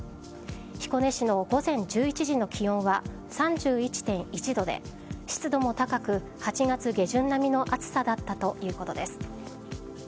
彦根市の午前１１時の気温は３１．１度で、湿度も高く８月下旬並みの暑さだったということです。